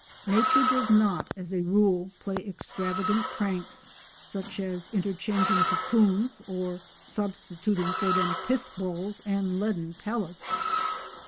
Nature does not, as a rule, play extravagant pranks, such as interchanging cocoons or substituting for them pith balls and leaden pellets.